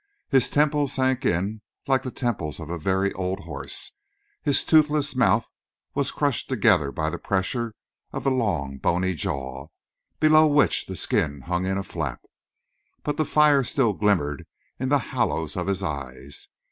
His temples sank in like the temples of a very old horse; his toothless mouth was crushed together by the pressure of the long bony jaw, below which the skin hung in a flap. But the fire still glimmered in the hollows of his eyes.